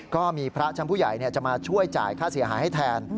ก็มีพระชั้นผู้ใหญ่จะมาช่วยจ่ายค่าเสียหายให้แทน